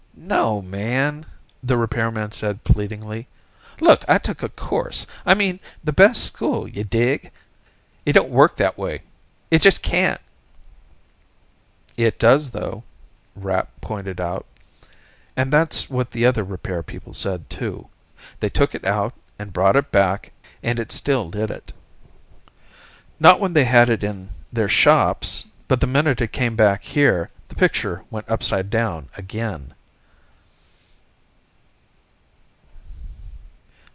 "No, man," the repairman said, pleadingly. "Look, I took a course. I mean, the best school, you dig? It don't work that way. It just can't." "It does, though," Rapp pointed out. "And that's what the other repair people said, too. They took it out, and brought it back, and it still did it. Not when they had it in their shops, but the minute it came back here, the picture went upside down again."